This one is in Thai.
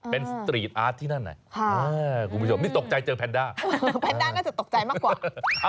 เป็นสตรีทอาร์ตที่นั่นน่ะคุณผู้ชมนี่ตกใจเจอแพนด้าแพนด้าน่าจะตกใจมากกว่า